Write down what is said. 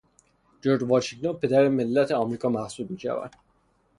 جورج واشنگتن پدر ملت امریکا محسوب میشود.